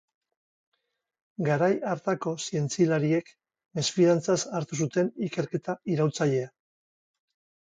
Garai hartako zientzilariek mesfidantzaz hartu zuten ikerketa iraultzailea.